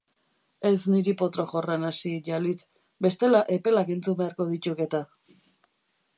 Ez niri potro-jorran hasi, Jalid, bestela epelak entzun beharko dituk-eta.